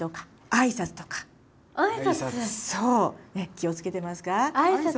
気を付けてますか？